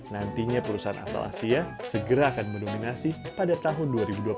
nantinya perusahaan asal asia segera akan mendominasi pada tahun dua ribu dua puluh satu